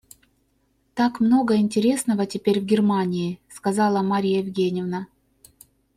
Так много интересного теперь в Германии, — сказала Марья Евгеньевна.